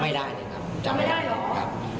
แล้วเราเดินจากตรงนั้นไป